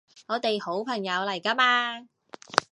我哋好朋友嚟㗎嘛